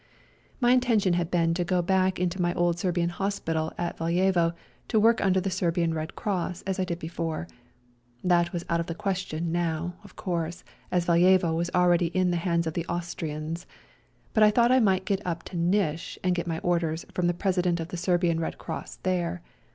My intention had been to go back into my old Serbian hospital at Valjevo ta work under the Serbian Red Cross as I did before ; that was out of the question now, of course, as Valjevo was already in the hands of the Austrians, but I thought I might get up to Nish and get my orders from the President of the Serbian Red Cross there.